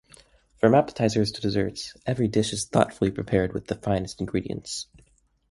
From appetizers to desserts, every dish is thoughtfully prepared with the finest ingredients.